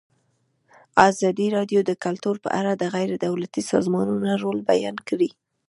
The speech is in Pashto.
ازادي راډیو د کلتور په اړه د غیر دولتي سازمانونو رول بیان کړی.